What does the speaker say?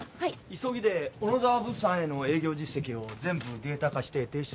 急ぎで小野澤物産への営業実績を全部データ化して提出してくれるか？